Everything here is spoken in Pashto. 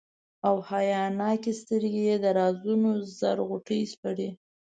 او حیاناکي سترګي یې د رازونو زر غوټي سپړي،